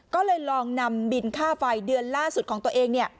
ก็เลยลองนำบินค่าไฟเดือนล่าสุดของตัวเอง